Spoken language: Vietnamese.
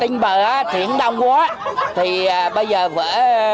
tinh bờ thiện đông quá thì bây giờ vỡ